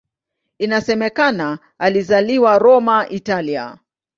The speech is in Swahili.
Inasemekana alizaliwa Roma, Italia.